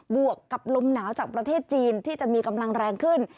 วกกับลมหนาวจากประเทศจีนที่จะมีกำลังแรงขึ้น